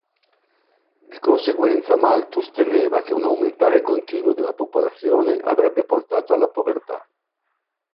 Di conseguenza Malthus temeva che un aumentare continuo della popolazione avrebbe portato alla povertà.